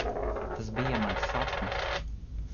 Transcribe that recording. Tas bija mans sapnis.